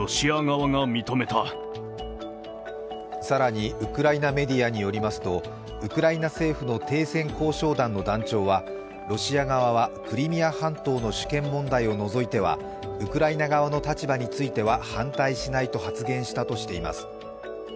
更にウクライナメディアによりますとウクライナ政府の停戦交渉団の団長はロシア側はクリミア半島の主権問題を除いてはウクライナ側の立場については反対しないと発言したとしています。